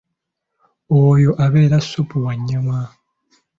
Oyo abeera ssupu wa nnyama.